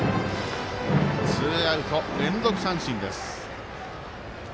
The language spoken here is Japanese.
ツーアウト、連続三振です。